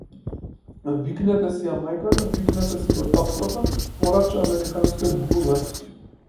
Викнете си ја мајката, викнете си го таткото, порача американскиот глумец.